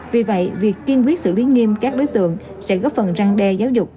vì vậy việc kiên quyết xử lý nghiêm các đối tượng sẽ góp phần răng đe giáo dục